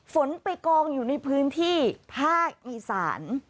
ฝนไปกองอยู่ในพื้นที่ภาคอีสาน